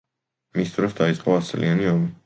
მის დროს დაიწყო „ასწლიანი ომი“.